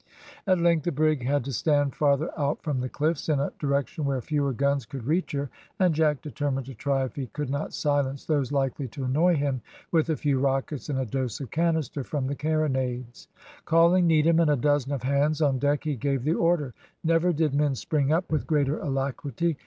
At length the brig had to stand farther out from the cliffs, in a direction where fewer guns could reach her, and Jack determined to try if he could not silence those likely to annoy him with a few rockets and a dose of canister from the carronades. Calling Needham and a dozen of hands on deck, he gave the order. Never did men spring up with greater alacrity.